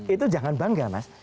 itu jangan bangga mas